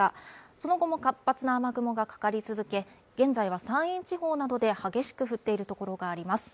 その後も活発な雨雲がかかり続け、現在は山陰地方などで激しく降っているところがあります。